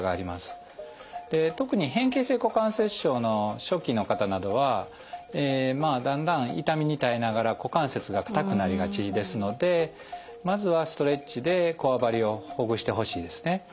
特に変形性股関節症の初期の方などはまあだんだん痛みに耐えながら股関節が硬くなりがちですのでまずはストレッチでこわばりをほぐしてほしいですね。